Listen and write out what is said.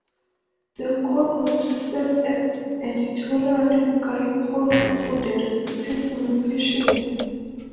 The code was to serve as editorial guideposts for the respective communications.